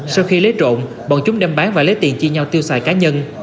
sau khi lấy trộn bọn chúng đem bán và lấy tiền chia nhau tiêu xài cá nhân